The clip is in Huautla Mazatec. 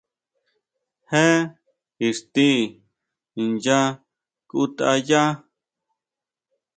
¿Jé íxti incha kutayá?